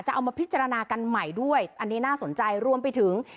เอามาพิจารณากันใหม่ด้วยอันนี้น่าสนใจรวมไปถึง